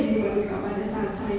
di rumah muka pada saat saya